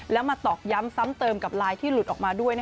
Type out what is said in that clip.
แล้วมาตอกย้ำซ้ำเติมกับไลน์ที่หลุดออกมาด้วย